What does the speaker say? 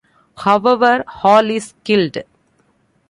However, Hal is killed.